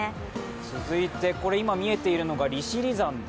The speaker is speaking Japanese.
続いて、今見えているのが利尻山で